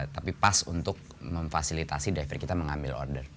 tapi pas untuk memfasilitasi diver kita mengambil order